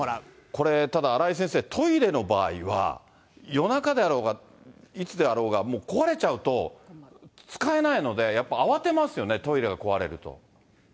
これ、ただ、荒井先生、トイレの場合は、夜中であろうが、いつであろうが、壊れちゃうと使えないので、やっぱ慌てますよね、やっぱりトイレが壊れると。